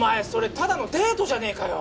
ただのデートじゃねえかよ！